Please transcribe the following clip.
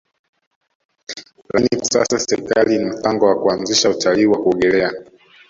Lakini kwa sasa serikali ina mpango wa kuanzisha utalii wa kuogelea